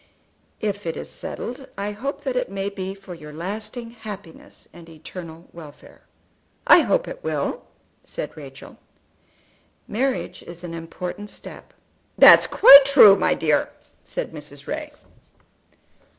"If it is settled I hope that it may be for your lasting happiness and eternal welfare." "I hope it will," said Rachel. "Marriage is a most important step." "That's quite true, my dear," said Mrs. Ray.